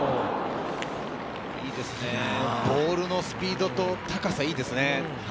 ボールのスピードと高さいいですね。